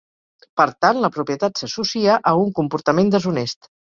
Per tant, la propietat s'associa a un comportament deshonest.